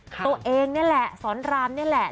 ตัวเองนี่แหละสอนรามนี่แหละ